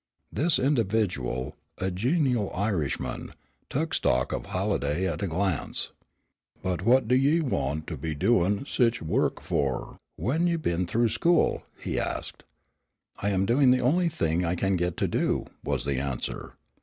This individual, a genial Irishman, took stock of Halliday at a glance. "But what do ye want to be doin' sich wurruk for, whin ye've been through school?" he asked. "I am doing the only thing I can get to do," was the answer.